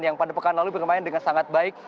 yang pada pekan lalu bermain dengan sangat baik